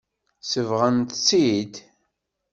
Sebɣen-tt-id.